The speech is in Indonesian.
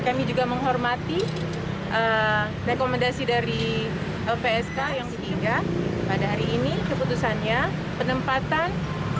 kami juga menghormati rekomendasi dari lpsk yang ketiga pada hari ini keputusannya penempatan